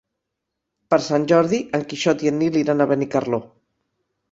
Per Sant Jordi en Quixot i en Nil iran a Benicarló.